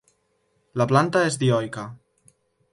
La planta és dioica.